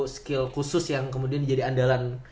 skill khusus yang kemudian jadi andalan